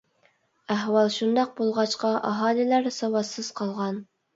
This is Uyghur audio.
ئەھۋال شۇنداق بولغاچقا ئاھالىلەر ساۋاتسىز قالغان.